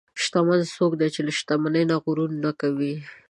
شتمن څوک دی چې له شتمنۍ نه غرور نه کوي.